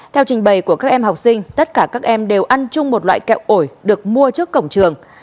theo trình bày của các em học sinh tất cả các em đều ăn chung một loại kẹo ổi được mua trước cổng trường